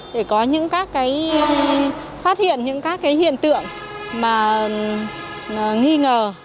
để có những phát hiện những các hiện tượng mà nghi ngờ